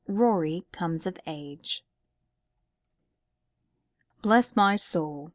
Rorie comes of Age. "Bless my soul!"